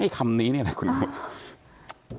ไอ้คำนี้เนี่ยคุณผู้ชม